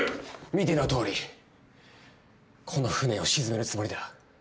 見てのとおりこの船を沈めるつもりだ。